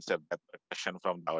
tolong jawab pertanyaan dari penonton